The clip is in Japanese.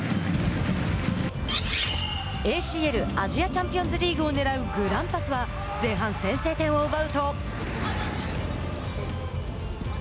ＡＣＬ＝アジアチャンピオンズリーグをねらうグランパスは前半先制点を奪うと。